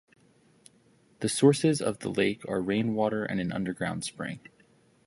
The sources of the lake are rain water and an underground spring.